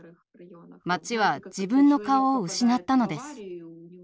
町は自分の顔を失ったのです。